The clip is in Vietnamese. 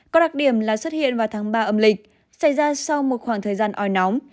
có đặc điểm là xuất hiện vào tháng ba âm lịch xảy ra sau một khoảng thời gian oi nóng